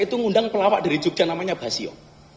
itu ngundang pelawak dari jogja namanya basio